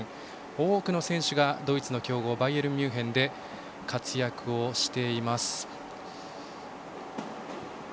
多くの選手がドイツの強豪バイエルンミュンヘンで活躍をしています。